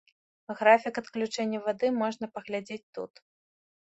Графік адключэння вады можна паглядзець тут.